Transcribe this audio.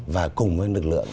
và cùng với lực lượng